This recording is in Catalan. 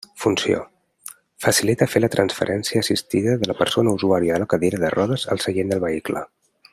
Funció: facilita fer la transferència assistida de la persona usuària de la cadira de rodes al seient del vehicle.